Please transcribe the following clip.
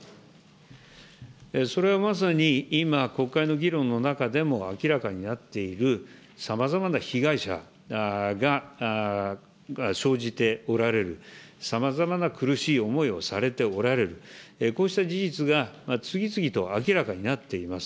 それはまさに今、国会の議論の中でも明らかになっている、さまざまな被害者が生じておられる、さまざまな苦しい思いをされておられる、こうした事実が次々と明らかになっています。